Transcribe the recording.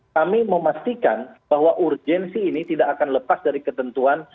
kami memastikan bahwa urgensi ini tidak akan lepas dari ketentuan